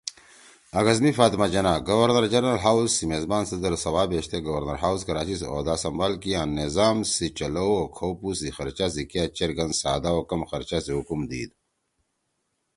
آگست می فاطمہ جناح گورنر جنرل ہاوس سی میزبان صدر سوا بیشتے گورنر ہاوس کراچی سی عہدہ سمبال کی آں نظام سی چلؤ او کھؤ پُو سی خرچہ سی کیا چیر گن سادا او کم خرچہ سی حُکم دیِد